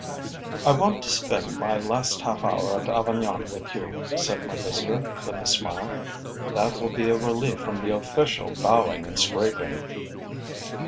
'I want to spend my last half hour at Avignon with you,' said my visitor, with a smile. 'That will be a relief from the official bowing and scraping.'